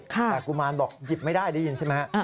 แต่กุมารบอกหยิบไม่ได้ได้ยินใช่ไหมฮะ